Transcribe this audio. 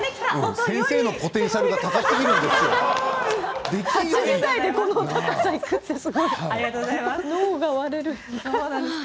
先生のポテンシャルが高すぎるんですよ。